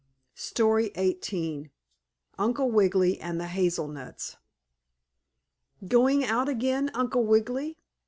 STORY XVIII UNCLE WIGGILY AND THE HAZEL NUTS "Going out again, Uncle Wiggily?"